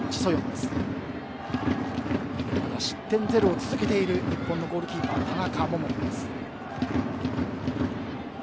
まだ失点ゼロを続けている日本のゴールキーパー、田中桃子。